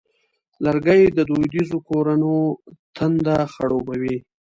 لرګی د دودیزو کورونو تنده خړوبوي.